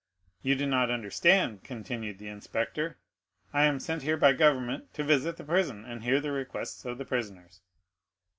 "You do not understand," continued the inspector; "I am sent here by government to visit the prison, and hear the requests of the prisoners."